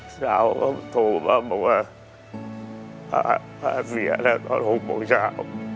เช้าก็โทรมาบอกว่าพระเสียแล้วตอน๖โมงเช้า